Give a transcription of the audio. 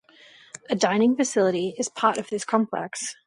A dining facility is part of this complex.